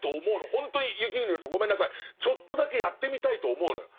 ほんとに雪国の人ごめんなさいちょっとだけやってみたいと思うのよ。